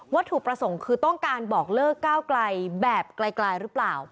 ว่าถูกประสงค์คือต้องการบอกเลือกก้าวกลายแบบไกลรึเปล่า